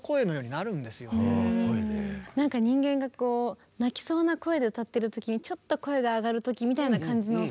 なんか人間がこう泣きそうな声で歌ってる時にちょっと声が上がる時みたいな感じの音とかありますよね。